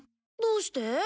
どうして？